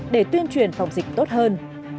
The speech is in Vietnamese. để tuyên truyền phòng dịch tốt hơn